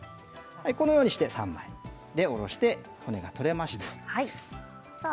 このようにして三枚におろして骨が取れました。